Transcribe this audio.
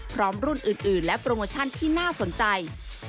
รุ่นอื่นและโปรโมชั่นที่น่าสนใจ